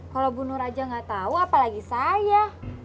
kalau bunuh raja nggak tahu apalagi saya